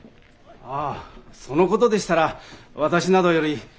ああその事でしたら私などより。